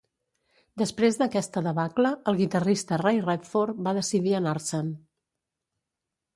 Després d'aquesta debacle, el guitarrista Ray Radford va decidir anar-se'n.